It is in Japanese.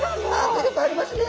迫力ありますね。